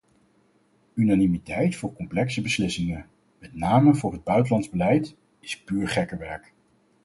Unanimiteit voor complexe beslissingen, met name voor het buitenlands beleid, is puur gekkenwerk.